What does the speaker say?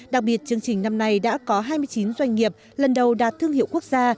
đặc biệt chương trình năm nay đã có hai mươi chín doanh nghiệp lần đầu đạt thương hiệu quốc gia